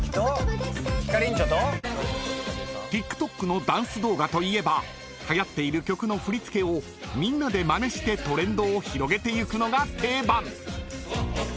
［ＴｉｋＴｏｋのダンス動画といえばはやっている曲の振り付けをみんなでまねしてトレンドを広げていくのが定番］